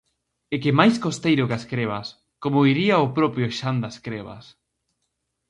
E que máis costeiro que as crebas, como diría o propio Xan das Crebas.